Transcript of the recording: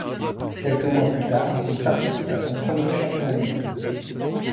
Quelques mois plus tard, il participe à son premier championnat du monde.